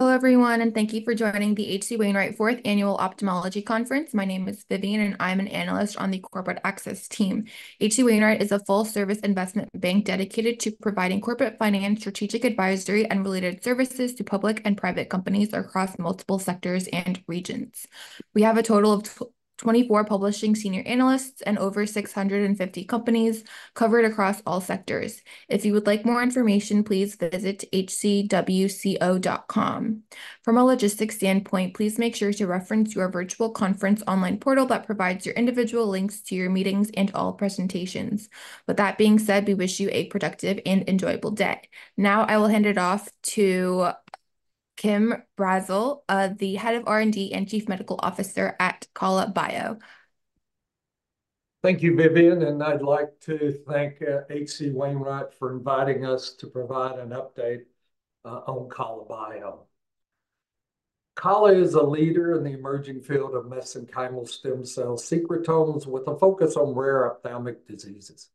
Hello, everyone, and thank you for joining the H.C. Wainwright Fourth Annual Ophthalmology Conference. My name is Vivian, and I'm an analyst on the corporate access team. H.C. Wainwright is a full-service investment bank dedicated to providing corporate finance, strategic advisory, and related services to public and private companies across multiple sectors and regions. We have a total of 24 publishing senior analysts and over 650 companies covered across all sectors. If you would like more information, please visit hcwco.com. From a logistics standpoint, please make sure to reference your virtual conference online portal that provides your individual links to your meetings and all presentations. With that being said, we wish you a productive and enjoyable day. Now, I will hand it off to Kim Brazzell, the Head of R&D and Chief Medical Officer at KALA BIO. Thank you, Vivian, and I'd like to thank H.C. Wainwright for inviting us to provide an update on KALA BIO. KALA BIO is a leader in the emerging field of mesenchymal stem cell secretomes, with a focus on rare ophthalmic diseases.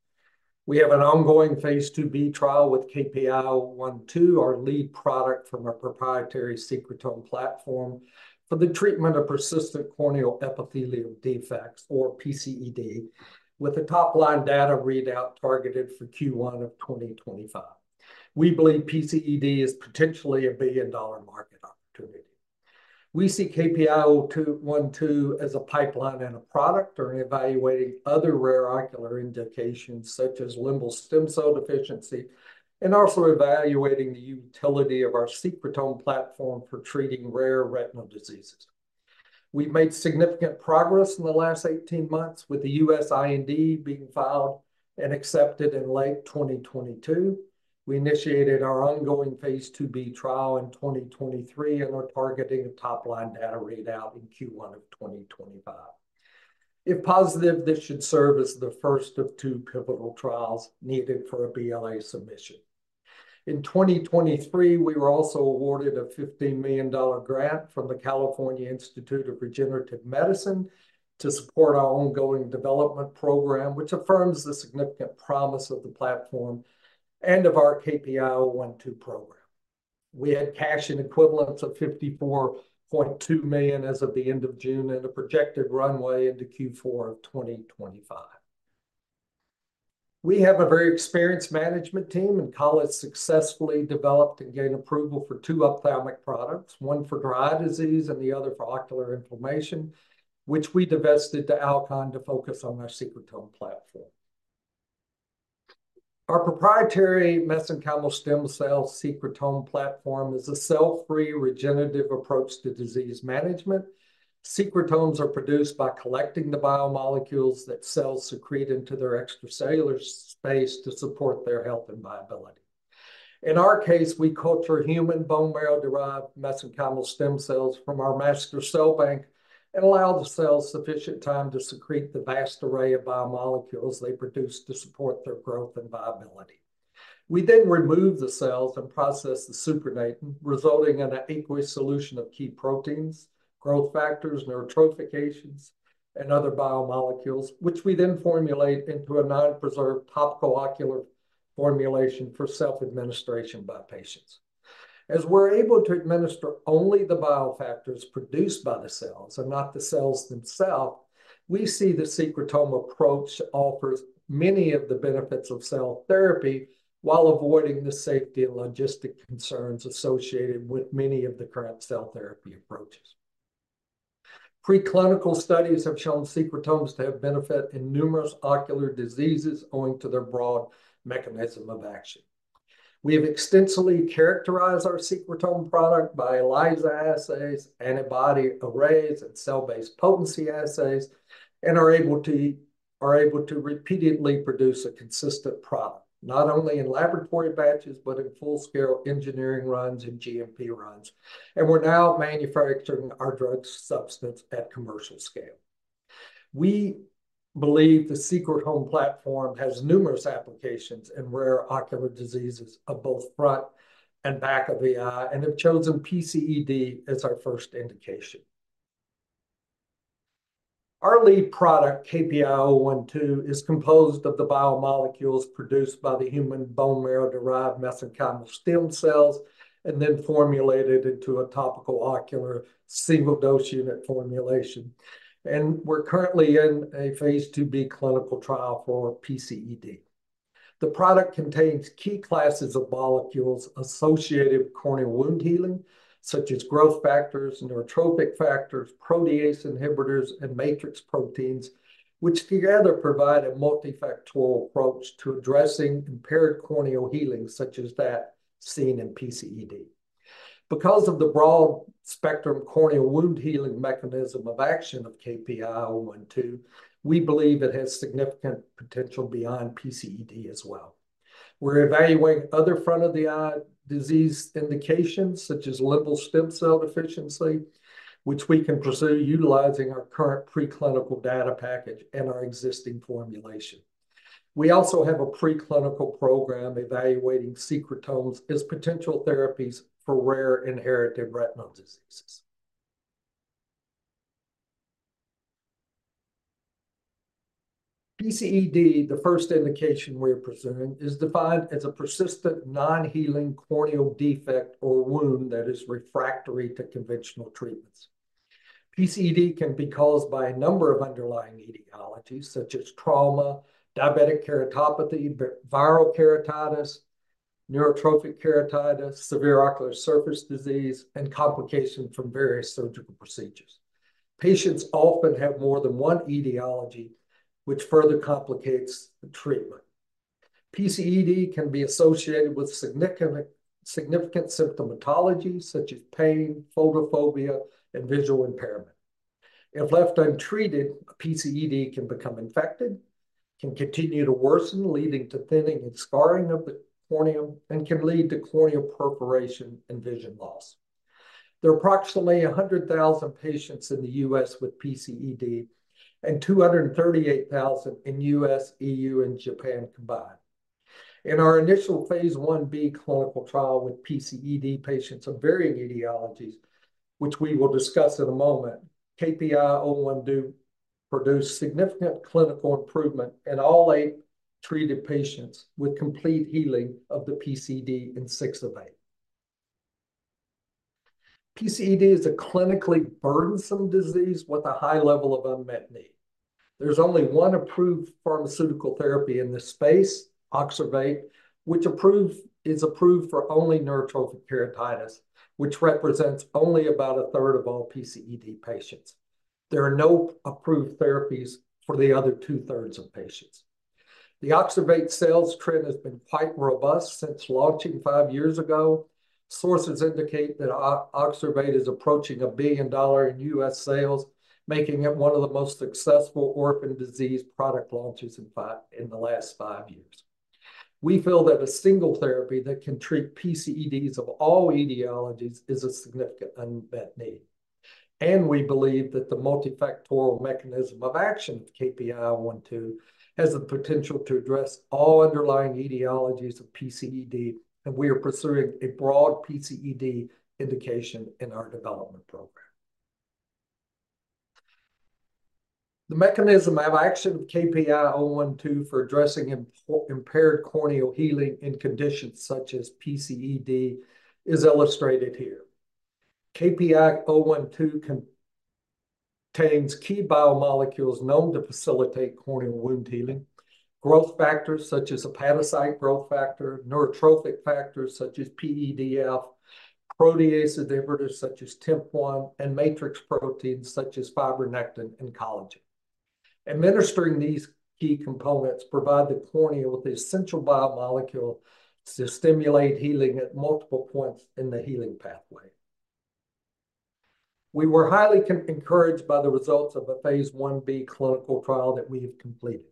We have an ongoing phase II-B trial with KPI-012, our lead product from our proprietary secretome platform, for the treatment of persistent corneal epithelial defects, or PCED, with a top-line data readout targeted for Q1 of 2025. We believe PCED is potentially a billion-dollar market opportunity. We see KPI-012 as a pipeline and a product, and are evaluating other rare ocular indications, such as limbal stem cell deficiency, and also evaluating the utility of our secretome platform for treating rare retinal diseases. We've made significant progress in the last 18 months, with the U.S. IND being filed and accepted in late 2022. We initiated our ongoing phase II-B trial in 2023, and we're targeting a top-line data readout in Q1 of 2025. If positive, this should serve as the first of two pivotal trials needed for a BLA submission. In 2023, we were also awarded a $15 million grant from the California Institute for Regenerative Medicine to support our ongoing development program, which affirms the significant promise of the platform and of our KPI-012 program. We had cash and equivalents of $54.2 million as of the end of June, and a projected runway into Q4 of 2025. We have a very experienced management team, and Kala successfully developed and gained approval for two ophthalmic products, one for dry eye disease and the other for ocular inflammation, which we divested to Alcon to focus on our secretome platform. Our proprietary mesenchymal stem cell secretome platform is a cell-free regenerative approach to disease management. Secretomes are produced by collecting the biomolecules that cells secrete into their extracellular space to support their health and viability. In our case, we culture human bone marrow-derived mesenchymal stem cells from our master cell bank and allow the cells sufficient time to secrete the vast array of biomolecules they produce to support their growth and viability. We then remove the cells and process the supernatant, resulting in an aqueous solution of key proteins, growth factors, neurotrophic factors, and other biomolecules, which we then formulate into a non-preserved topical ocular formulation for self-administration by patients. As we're able to administer only the biofactors produced by the cells and not the cells themselves, we see the secretome approach offers many of the benefits of cell therapy while avoiding the safety and logistic concerns associated with many of the current cell therapy approaches. Preclinical studies have shown secretomes to have benefit in numerous ocular diseases owing to their broad mechanism of action. We have extensively characterized our secretome product by ELISA assays, antibody arrays, and cell-based potency assays, and are able to repeatedly produce a consistent product, not only in laboratory batches, but in full-scale engineering runs and GMP runs. We're now manufacturing our drug substance at commercial scale. We believe the secretome platform has numerous applications in rare ocular diseases of both front and back of the eye and have chosen PCED as our first indication. Our lead product, KPI-012, is composed of the biomolecules produced by the human bone marrow-derived mesenchymal stem cells and then formulated into a topical ocular single-dose unit formulation. We're currently in a phase II-B clinical trial for PCED. The product contains key classes of molecules associated with corneal wound healing, such as growth factors, neurotrophic factors, protease inhibitors, and matrix proteins, which together provide a multifactorial approach to addressing impaired corneal healing, such as that seen in PCED. Because of the broad-spectrum corneal wound healing mechanism of action of KPI-012, we believe it has significant potential beyond PCED as well. We're evaluating other front-of-the-eye disease indications, such as limbal stem cell deficiency, which we can pursue utilizing our current preclinical data package and our existing formulation. We also have a preclinical program evaluating secretomes as potential therapies for rare inherited retinal diseases. PCED, the first indication we're pursuing, is defined as a persistent non-healing corneal defect or wound that is refractory to conventional treatments. PCED can be caused by a number of underlying etiologies, such as trauma, diabetic keratopathy, viral keratitis, neurotrophic keratitis, severe ocular surface disease, and complications from various surgical procedures. Patients often have more than one etiology, which further complicates the treatment. PCED can be associated with significant symptomatology, such as pain, photophobia, and visual impairment. If left untreated, a PCED can become infected, can continue to worsen, leading to thinning and scarring of the cornea, and can lead to corneal perforation and vision loss. There are approximately 100,000 patients in the U.S. with PCED, and 238,000 in U.S., E.U., and Japan combined. In our initial phase I-B clinical trial with PCED, patients of varying etiologies, which we will discuss in a moment, KPI-012 produced significant clinical improvement in all 8 treated patients, with complete healing of the PCED in six of 8. PCED is a clinically burdensome disease with a high level of unmet need. There's only one approved pharmaceutical therapy in this space, Oxervate, which is approved for only neurotrophic keratitis, which represents only about a third of all PCED patients. There are no approved therapies for the other two-thirds of patients. The Oxervate sales trend has been quite robust since launching 5 years ago. Sources indicate that Oxervate is approaching $1 billion in U.S. sales, making it one of the most successful orphan disease product launches in the last 5 years. We feel that a single therapy that can treat PCEDs of all etiologies is a significant unmet need, and we believe that the multifactorial mechanism of action of KPI-012 has the potential to address all underlying etiologies of PCED, and we are pursuing a broad PCED indication in our development program. The mechanism of action of KPI-012 for addressing impaired corneal healing in conditions such as PCED is illustrated here. KPI-012 contains key biomolecules known to facilitate corneal wound healing, growth factors such as hepatocyte growth factor, neurotrophic factors such as PEDF, protease inhibitors such as TIMP-1, and matrix proteins such as fibronectin and collagen. Administering these key components provide the cornea with the essential biomolecule to stimulate healing at multiple points in the healing pathway. We were highly encouraged by the results of a phase I-B clinical trial that we have completed.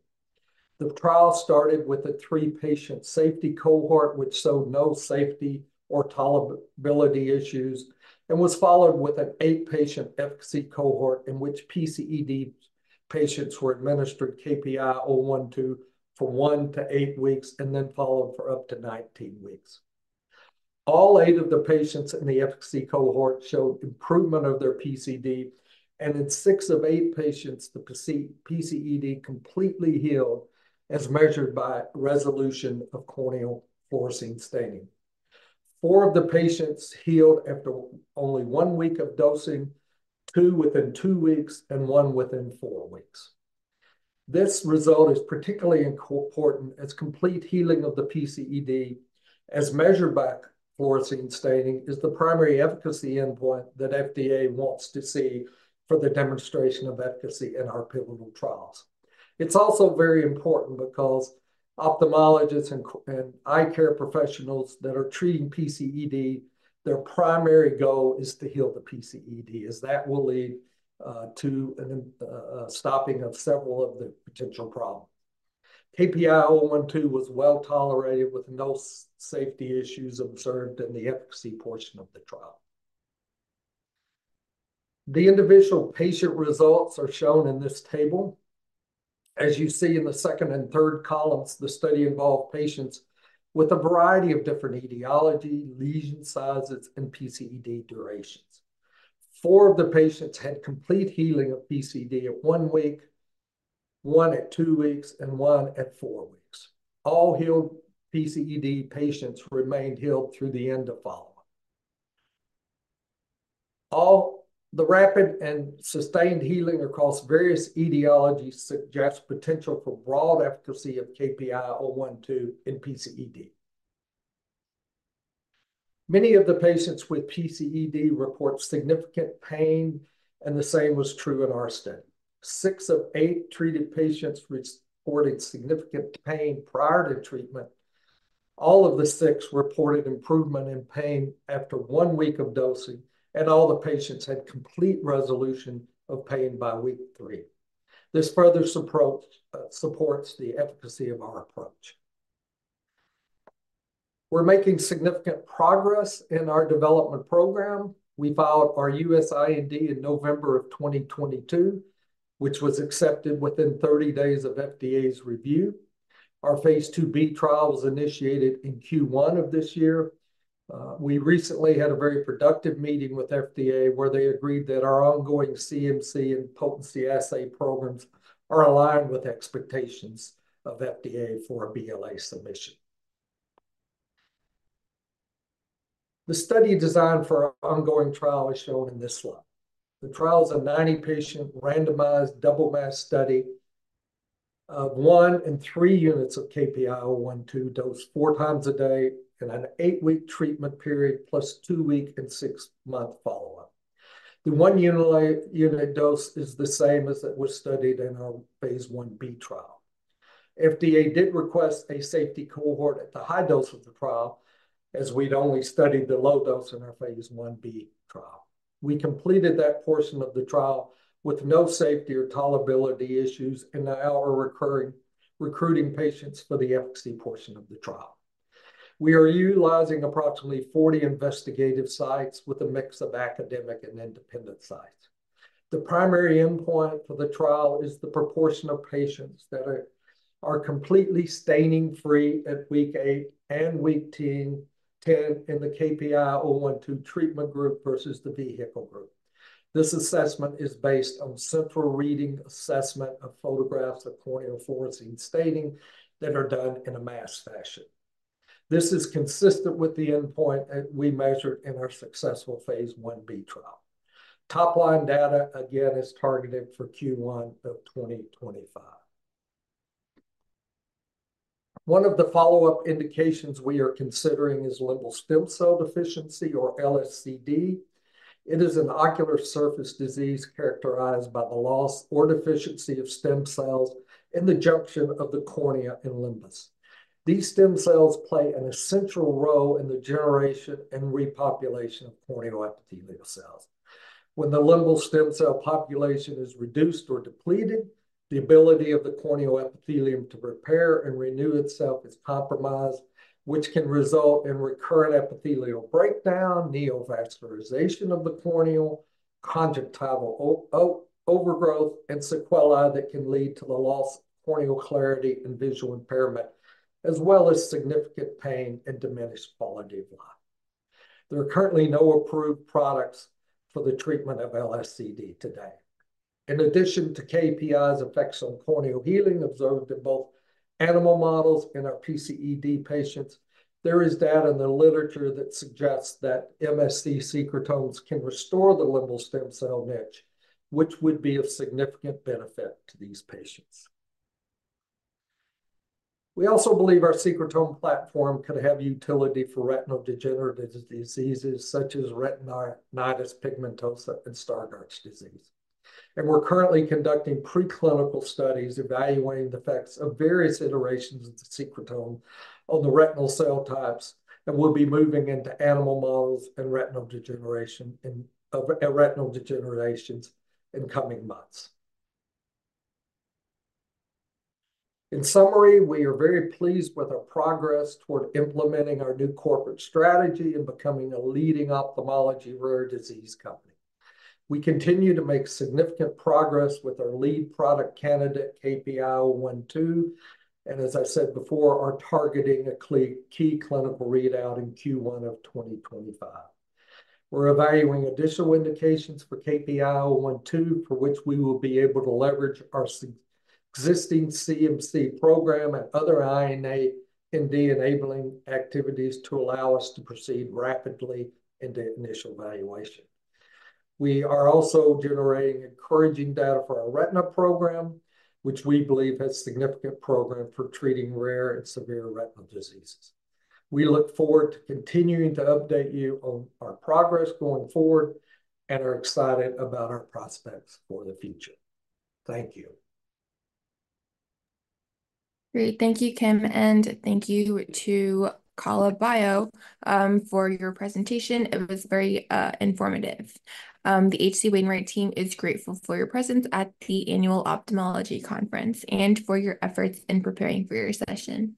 The trial started with a 3-patient safety cohort, which showed no safety or tolerability issues, and was followed with an 8-patient efficacy cohort in which PCED patients were administered KPI-012 from 1 to 8 weeks, and then followed for up to 19 weeks. All 8 of the patients in the efficacy cohort showed improvement of their PCED, and in 6 of 8 patients, the PCED completely healed, as measured by resolution of corneal fluorescein staining. 4 of the patients healed after only 1 week of dosing, 2 within 2 weeks, and 1 within 4 weeks. This result is particularly important, as complete healing of the PCED, as measured by fluorescein staining, is the primary efficacy endpoint that FDA wants to see for the demonstration of efficacy in our pivotal trials. It's also very important because ophthalmologists and eye care professionals that are treating PCED, their primary goal is to heal the PCED, as that will lead to a stopping of several of the potential problems. KPI-012 was well-tolerated, with no safety issues observed in the efficacy portion of the trial. The individual patient results are shown in this table. As you see in the second and third columns, the study involved patients with a variety of different etiology, lesion sizes, and PCED durations. Four of the patients had complete healing of PCED at one week, one at two weeks, and one at four weeks. All healed PCED patients remained healed through the end of follow-up. The rapid and sustained healing across various etiologies suggests potential for broad efficacy of KPI-012 in PCED. Many of the patients with PCED report significant pain, and the same was true in our study. Six of eight treated patients reported significant pain prior to treatment. All of the six reported improvement in pain after one week of dosing, and all the patients had complete resolution of pain by week three. This further supports the efficacy of our approach. We're making significant progress in our development program. We filed our U.S. IND in November 2022, which was accepted within 30 days of FDA's review. Our phase II-B trial was initiated in Q1 of this year. We recently had a very productive meeting with FDA, where they agreed that our ongoing CMC and potency assay programs are aligned with expectations of FDA for a BLA submission. The study design for our ongoing trial is shown in this slide. The trial is a 90-patient, randomized, double-masked study of 1 and 3 units of KPI-012, dosed 4 times a day in an 8-week treatment period, plus 2-week and 6-month follow-up. The 1-unit dose is the same as that was studied in our phase I-B trial. FDA did request a safety cohort at the high dose of the trial, as we'd only studied the low dose in our phase I-B trial. We completed that portion of the trial with no safety or tolerability issues, and now are recruiting patients for the efficacy portion of the trial. We are utilizing approximately 40 investigator sites, with a mix of academic and independent sites. The primary endpoint for the trial is the proportion of patients that are completely staining-free at week 8 and week 10 in the KPI-012 treatment group versus the vehicle group. This assessment is based on central reading assessment of photographs of corneal fluorescein staining that are done in a masked fashion. This is consistent with the endpoint that we measured in our successful phase I-B trial. Top-line data, again, is targeted for Q1 of 2025. One of the follow-up indications we are considering is limbal stem cell deficiency, or LSCD. It is an ocular surface disease characterized by the loss or deficiency of stem cells in the junction of the cornea and limbus. These stem cells play an essential role in the generation and repopulation of corneal epithelial cells. When the limbal stem cell population is reduced or depleted, the ability of the corneal epithelium to repair and renew itself is compromised, which can result in recurrent epithelial breakdown, neovascularization of the cornea, conjunctival overgrowth, and sequelae that can lead to the loss of corneal clarity and visual impairment, as well as significant pain and diminished quality of life. There are currently no approved products for the treatment of LSCD today. In addition to KPI-012's effects on corneal healing, observed in both animal models and our PCED patients, there is data in the literature that suggests that MSC secretomes can restore the limbal stem cell niche, which would be of significant benefit to these patients. We also believe our secretome platform could have utility for retinal degenerative diseases, such as retinitis pigmentosa and Stargardt's disease, and we're currently conducting preclinical studies evaluating the effects of various iterations of the secretome on the retinal cell types, and we'll be moving into animal models and retinal degenerations in coming months. In summary, we are very pleased with our progress toward implementing our new corporate strategy and becoming a leading ophthalmology rare disease company. We continue to make significant progress with our lead product candidate, KPI-012, and as I said before, are targeting a key clinical readout in Q1 of 2025. We're evaluating additional indications for KPI-012, for which we will be able to leverage our existing CMC program and other IND-enabling activities to allow us to proceed rapidly into initial evaluation. We are also generating encouraging data for our retina program, which we believe has significant promise for treating rare and severe retinal diseases. We look forward to continuing to update you on our progress going forward, and are excited about our prospects for the future. Thank you. Great. Thank you, Kim, and thank you to KALA BIO for your presentation. It was very informative. The H.C. Wainwright team is grateful for your presence at the Annual Ophthalmology Conference and for your efforts in preparing for your session.